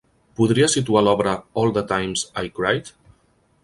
Podries situar l'obra All the Times I Cried?